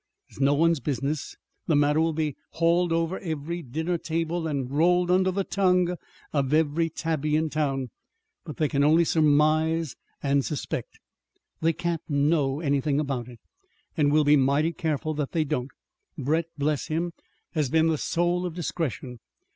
It's no one's business. The matter will be hauled over every dinner table and rolled under the tongue of every old tabby in town. But they can only surmise and suspect. They can't know anything about it. And we'll be mighty careful that they don't. Brett bless him! has been the soul of discretion.